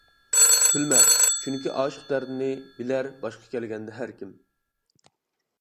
كۈلمە چۈنكى ئاشىق دەردىنى، بىلەر باشقا كەلگەندە ھەركىم.